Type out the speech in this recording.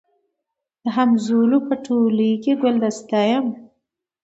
د همزولو په ټولۍ کي ګلدسته یم